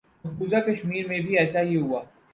مقبوضہ کشمیر میں بھی ایسا ہی ہوا۔